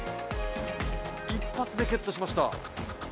一発でゲットしました。